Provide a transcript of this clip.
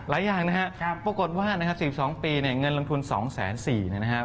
หลายอย่างนะฮะปรากฏว่า๔๒ปีเนี่ยเงินลงทุน๒๐๔๐๐๐บาท